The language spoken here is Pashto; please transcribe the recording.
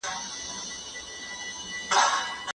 مشاوران خلکو ته سلا ورکوي.